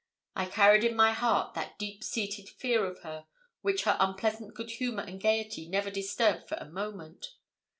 I carried in my heart that deep seated fear of her which her unpleasant good humour and gaiety never disturbed for a moment.